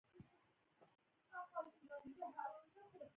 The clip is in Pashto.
کندز سیند د افغانستان د جغرافیې یوه بېلګه ده.